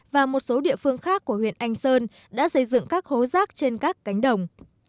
và một số địa phương khác của huyện anh sơn đã xây dựng các hố rác trên các cánh đồng